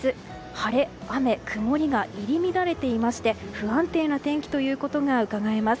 晴れ、雨、曇りが入り乱れていまして不安定な天気ということがうかがえます。